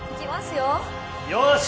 よし。